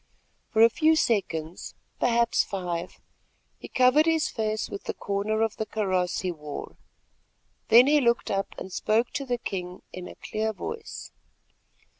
For a few seconds, perhaps five, he covered his face with the corner of the kaross he wore, then he looked up and spoke to the king in a clear voice.